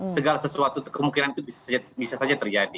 segala sesuatu kemungkinan itu bisa saja terjadi